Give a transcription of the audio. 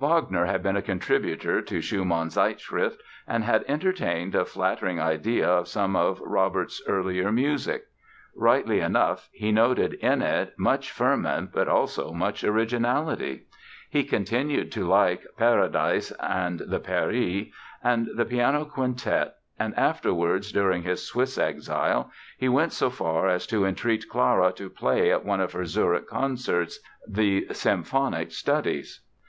Wagner had been a contributor to Schumann's Zeitschrift and had entertained a flattering idea of some of Robert's earlier music. Rightly enough, he noted in it "much ferment but also much originality". He continued to like "Paradise and the Peri" and the Piano Quintet and, afterwards, during his Swiss exile, he went so far as to entreat Clara to play at one of her Zurich concerts the "Symphonic Studies".